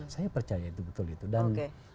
saya percaya itu betul itu dan